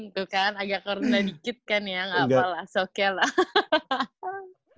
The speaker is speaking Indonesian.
tuh kan agak merendah dikit kan ya gak apa lah sokel lah